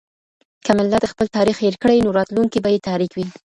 که ملت خپل تاريخ هېر کړي نو راتلونکی به يې تاريک وي.